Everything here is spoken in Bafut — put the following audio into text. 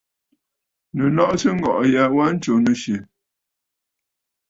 Nɨ̀ lɔꞌɔsə ŋgɔ̀ꞌɔ̀ ya wa ntsù nɨ̀syɛ̀!